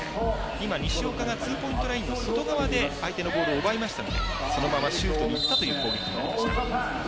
今、西岡がツーポイントラインの外側で相手のボールを奪いましたのでそのままシュートに行ったという攻撃になりました。